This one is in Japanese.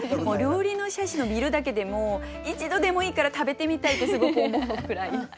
料理の写真を見るだけでも一度でもいいから食べてみたいってすごく思うぐらい。